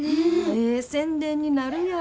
ええ宣伝になるやん。